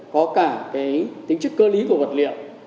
có cả cái tính chất cơ lý của vật liệu